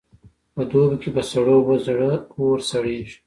په دوبې کې په سړو اوبو د زړه اور سړېږي.